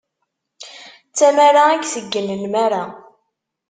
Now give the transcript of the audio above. D tamara i iteggen nnmara.